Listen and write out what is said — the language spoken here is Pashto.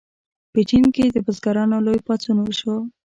په چین کې د بزګرانو لوی پاڅون وشو.